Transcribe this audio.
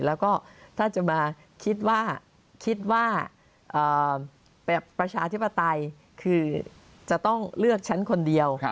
แล้วก็ถ้าจะมาคิดว่าคิดว่าประชาธิปไตยคือจะต้องเลือกฉันคนเดียว